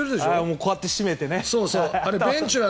こうやって締めて。